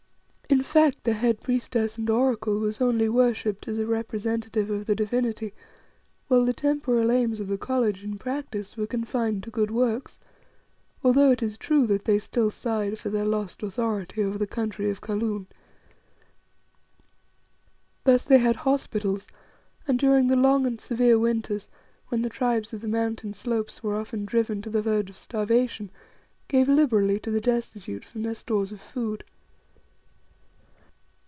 In fact, the head priestess and Oracle was only worshipped as a representative of the Divinity, while the temporal aims of the College in practice were confined to good works, although it is true that they still sighed for their lost authority over the country of Kaloon. Thus they had hospitals, and during the long and severe winters, when the Tribes of the Mountain slopes were often driven to the verge of starvation, gave liberally to the destitute from their stores of food.